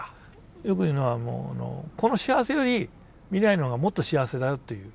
よく言うのはこの幸せより未来の方がもっと幸せだよという。